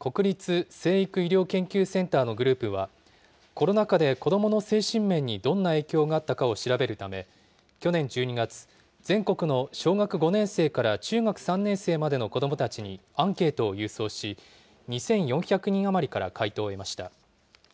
国立成育医療研究センターのグループは、コロナ禍で子どもの精神面にどんな影響があったかを調べるため、去年１２月、全国の小学５年生から中学３年生までの子どもたちにアンケートを郵送し、２４００人余りから回答を得ました。